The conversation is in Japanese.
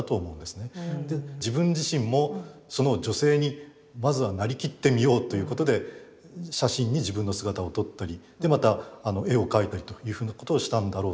自分自身もその女性にまずはなりきってみようということで写真に自分の姿を撮ったりでまた絵を描いたりというふうなことをしたんだろうというふうには思います。